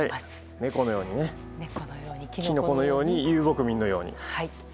猫のようにねキノコのように遊牧民のように。